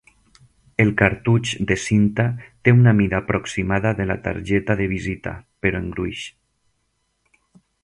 El cartutx de cinta té una mida aproximada de la targeta de visita, però en gruix.